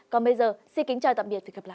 còn bây giờ xin kính chào tạm biệt và hẹn gặp lại